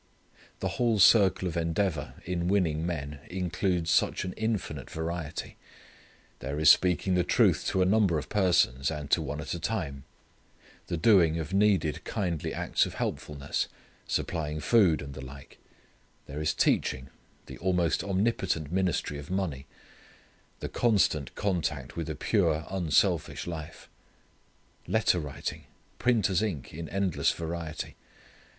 The whole circle of endeavour in winning men includes such an infinite variety. There is speaking the truth to a number of persons, and to one at a time; the doing of needed kindly acts of helpfulness, supplying food, and the like; there is teaching; the almost omnipotent ministry of money; the constant contact with a pure unselfish life; letter writing; printer's ink in endless variety.